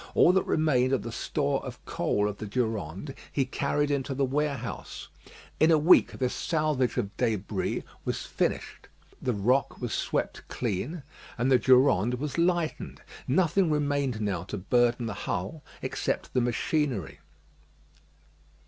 All that remained of the store of coal of the Durande he carried into the warehouse. In a week this salvage of débris was finished; the rock was swept clean, and the Durande was lightened. Nothing remained now to burden the hull except the machinery.